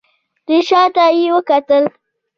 دی شا ته يې وکتل.